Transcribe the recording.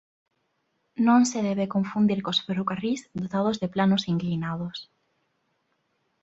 Non se debe confundir cos ferrocarrís dotados de planos inclinados.